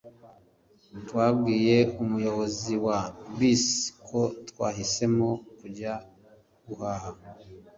Twabwiye umuyobozi wa bisi ko twahisemo kujya guhaha.